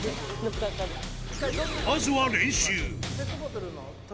まずは練習。